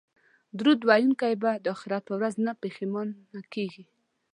درود ویونکی به د اخرت په ورځ نه پښیمانه کیږي